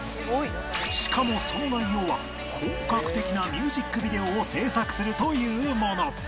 しかもその内容は本格的なミュージックビデオを制作するというもの